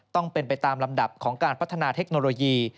ต้องเป็นไปตามลำดับของการพัฒนาเทคโนโลยี